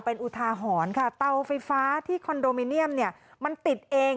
เป็นอุทาหรณ์ค่ะเตาไฟฟ้าที่คอนโดมิเนียมเนี่ยมันติดเอง